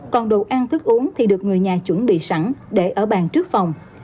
còn đồ ăn thức uống thì được người nhà chuẩn bị sẵn để ở bàn trước phòng